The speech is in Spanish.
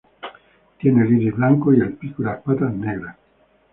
Tiene el iris blanco y el pico y las patas negras.